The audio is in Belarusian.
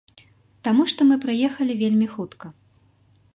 Таму што мы прыехалі вельмі хутка.